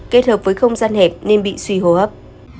kết hợp với không gian hẹp nên bị suy hô hấp